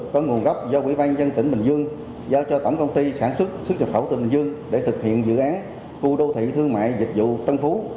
có nguồn gốc do quỹ ban dân tỉnh bình dương giao cho tổng công ty sản xuất xuất nhập khẩu bình dương để thực hiện dự án khu đô thị thương mại dịch vụ tân phú